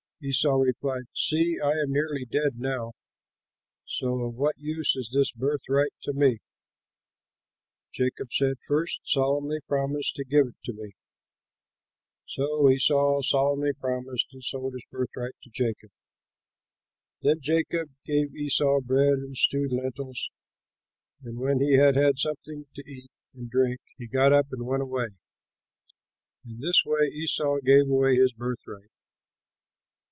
Esau replied, "See, I am nearly dead now! So of what use is this birthright to me?" Jacob said, "First solemnly promise to give it to me." So Esau solemnly promised and sold his birthright to Jacob. Then Jacob gave Esau bread and stewed lentils, and when he had had something to eat and drink, he got up and went away. In this way Esau gave away his birthright.